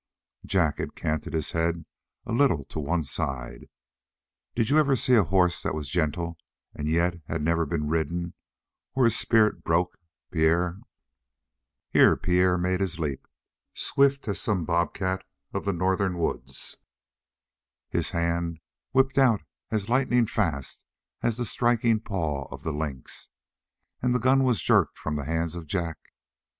Jack had canted his head a little to one side. "Did you ever see a horse that was gentle and yet had never been ridden, or his spirit broke, Pierre " Here Pierre made his leap swift as some bobcat of the northern woods; his hand whipped out as lightning fast as the striking paw of the lynx, and the gun was jerked from the hands of Jack.